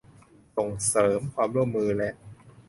ส่งเสริมความร่วมมือและ